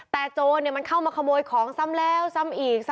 แต่โจรมันเข้ามาขโมยของซ้ำแล้วซ้ำอีก